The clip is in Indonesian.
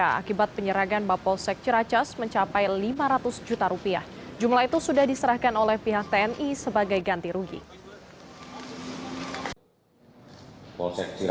all echt penerag maka untuk pas ternak ketentuan pada data pekerjaan dan penye scor ke jakarta ini tidak diablokir